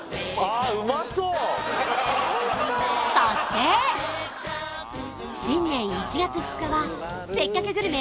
そして新年１月２日は「せっかくグルメ！！」